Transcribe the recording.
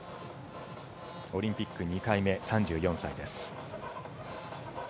オリンピック２回目、３４歳です。